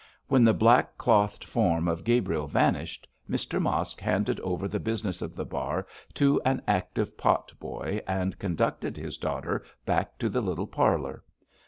When the black clothed form of Gabriel vanished, Mr Mosk handed over the business of the bar to an active pot boy, and conducted his daughter back to the little parlour.